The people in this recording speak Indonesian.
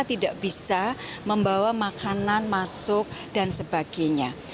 tidak bisa membawa makanan masuk dan sebagainya